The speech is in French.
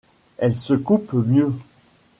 Elle se coupe mieux.